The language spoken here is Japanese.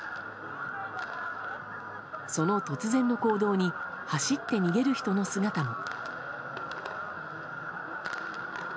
その突然の行動に走って逃げる人の姿も。